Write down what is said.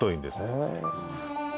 へえ。